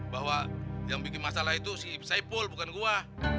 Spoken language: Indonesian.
bahwa yang bikin masalah itu si saipul bukan gue